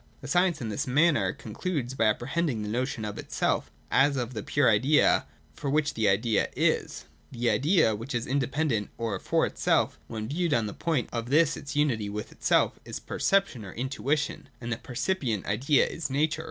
The science in this manner concludes by ' apprehending the notion of itself, as of the pure idea for which the idea is. 244.] The Idea which is independent or for itself, when viewed on the point of this its unity with itself, is Perception or Intuition, and the percipient Idea is J^ature.